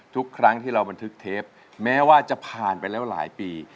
ทุกครั้งที่เราบันทึกเทปแม้ว่าจะผ่านไปแล้วหลายปี